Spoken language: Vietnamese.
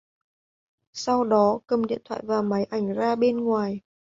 Sau nó cầm điện thoại và máy ảnh đi ra bên ngoài